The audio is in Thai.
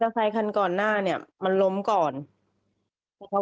เขาเริ่มงานกันหลายคันนะคะ